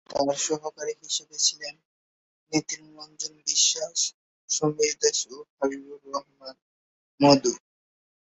তার সহকারী হিসেবে ছিলেন নীতি রঞ্জন বিশ্বাস, সমীর দাস, ও হাবিবুর রহমান মধু।